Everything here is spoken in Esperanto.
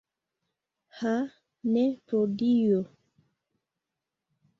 Ha, ne, pro Dio!